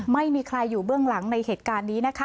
ไม่มีใครอยู่เบื้องหลังในเหตุการณ์นี้นะคะ